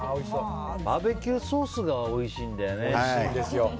バーベキューソースがおいしいんだよね。